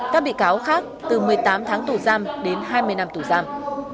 các bị cáo khác từ một mươi tám tháng tù giam đến hai mươi năm tù giam